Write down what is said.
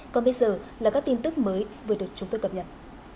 còn bây giờ là các tin tức mới vừa được chúng tôi cập nhật